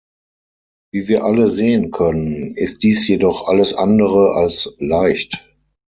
Wie wir alle sehen können, ist dies jedoch alles andere als leicht.